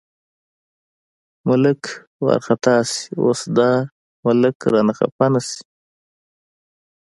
ملک وارخطا شي، اوس دا ملک رانه خپه نه شي.